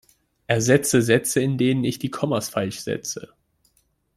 Ersetze Sätze, in denen ich die Kommas falsch setze!